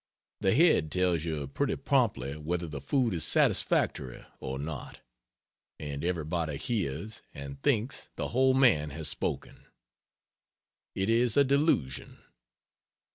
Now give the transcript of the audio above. The head tells you pretty promptly whether the food is satisfactory or not; and everybody hears, and thinks the whole man has spoken. It is a delusion.